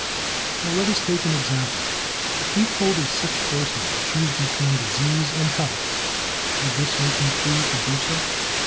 Now let us take an example: if we told a sick person to choose between disease and health, would this make him free to do so?